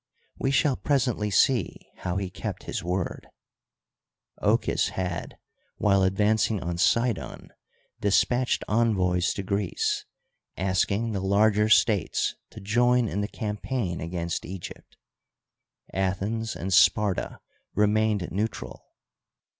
We shall presently see how he kept his word. Ochus had, while advancing on Sidon, despatched envoys to Greece asking the larger states to join in the campaign against Egypt. Athens and Sparta remained neutral.